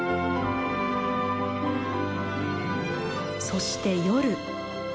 そして夜。